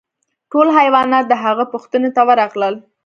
ټول حیوانات د هغه پوښتنې ته ورغلل.